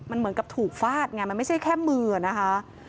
มันเหมือนกับถูกฟาดไงมันไม่ใช่แค่มือนะคะ